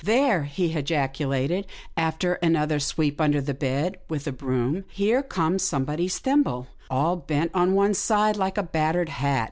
" There !" he ejaculated, after another sweep under the bed with a broom, " here comes some body's thimble, all bent on one side like a battered hat.